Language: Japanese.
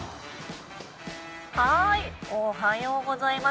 おはようございます。